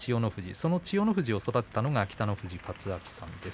その千代の富士を育てたのは北の富士勝昭さんです。